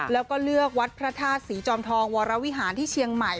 แล้วก็เลือกวัดพระธาตุศรีจอมทองวรวิหารที่เชียงใหม่